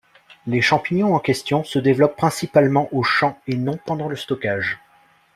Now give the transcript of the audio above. Les champignons en question se développent principalement aux champs et non pendant le stockage.